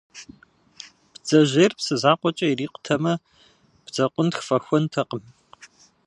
Бдзэжьейр псы закъуэкӏэ ирикъутэмэ бдзэкъунтх фӏэхуэнтэкъым.